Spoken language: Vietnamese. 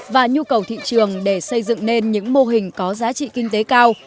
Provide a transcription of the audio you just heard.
và nhu cầu thị trường để xây dựng nên những mô hình có giá trị kinh tế cao